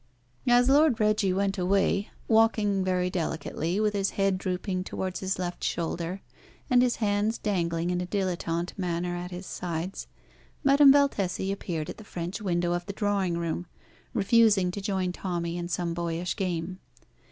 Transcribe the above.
As Lord Reggie went away, walking very delicately, with his head drooping towards his left shoulder, and his hands dangling in a dilettante manner at his sides, Madame Valtesi appeared at the French window of the drawing room, refusing to join Tommy in some boyish game.